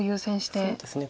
そうですね。